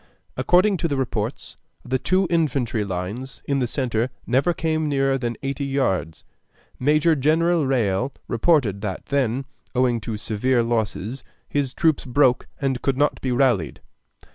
According to the reports, the two infantry lines in the centre never came nearer than eighty yards. Major General Riall reported that then, owing to severe losses, his troops broke and could not be rallied.